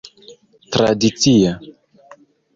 tradicia